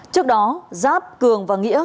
trước đó giáp cường và nghĩa